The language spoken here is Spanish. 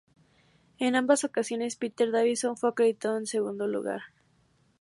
En ambas ocasiones, Peter Davison fue acreditado en segundo lugar.